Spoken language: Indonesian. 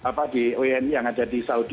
apa di wni yang ada di saudi